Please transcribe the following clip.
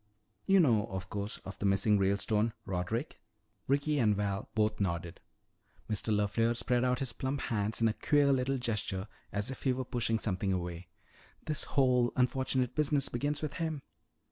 You know, of course, of the missing Ralestone Roderick?" Ricky and Val both nodded. Mr. LeFleur spread out his plump hands in a queer little gesture as if he were pushing something away. "This whole unfortunate business begins with him.